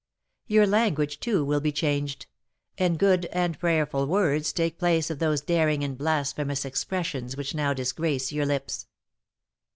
Your language, too, will be changed, and good and prayerful words take place of those daring and blasphemous expressions which now disgrace your lips.